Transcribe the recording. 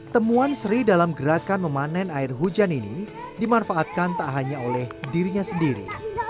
temuan sri dalam gerakan memanen air hujan ini dimanfaatkan tak hanya oleh dirinya sendiri